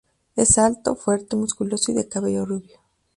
Es alto, fuerte, musculoso y de cabello rubio.